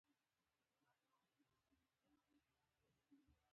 چې څوک کیسه وغځوي.